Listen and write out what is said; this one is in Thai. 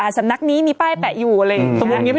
สำนักนี้มีป้ายแปะอยู่อะไรอย่างนี้